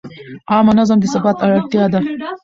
عامه نظم د ثبات اړتیا ده.